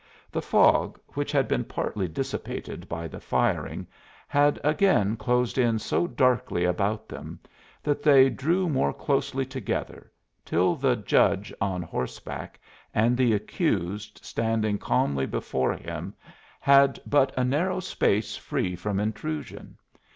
The fog, which had been partly dissipated by the firing, had again closed in so darkly about them that they drew more closely together till the judge on horseback and the accused standing calmly before him had but a narrow space free from intrusion.